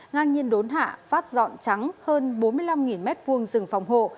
ngang nhiên đốn hạ phát dọn trắng hơn bốn mươi năm m hai rừng phòng hộ